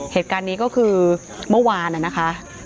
เหตุการณ์นี้ก็คือเมื่อวานนะคะ